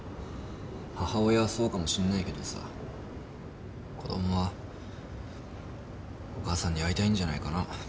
母親はそうかもしんないけどさ子供はお母さんに会いたいんじゃないかな。